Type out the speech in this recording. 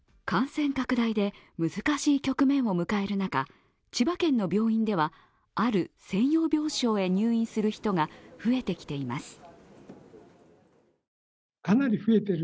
感染拡大で難しい局面を迎える中、千葉県の病院ではある専用病床へ入院する人が増えてきています。